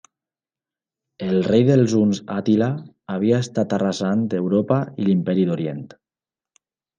El rei dels huns Àtila havia estat arrasant Europa i l'Imperi d'Orient.